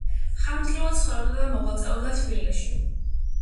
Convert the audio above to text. ხანგრძლივად ცხოვრობდა და მოღვაწეობდა თბილისში.